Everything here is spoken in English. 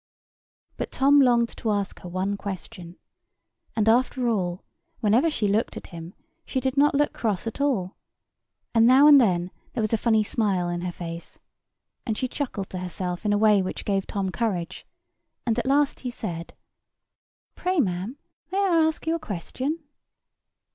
But Tom longed to ask her one question; and after all, whenever she looked at him, she did not look cross at all; and now and then there was a funny smile in her face, and she chuckled to herself in a way which gave Tom courage, and at last he said: "Pray, ma'am, may I ask you a question?"